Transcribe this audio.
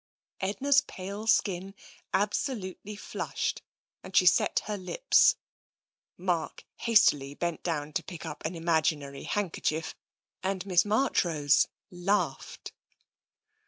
Edna's pale skin absolutely flushed and she set her lips. Mark hastily bent down to pick up an imaginary handkerchief, and Miss Marchrose laughed.